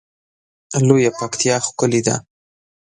لویه پکتیا ښکلی ده